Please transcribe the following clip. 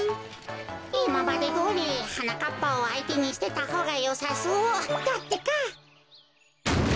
いままでどおりはなかっぱをあいてにしてたほうがよさそうだってか。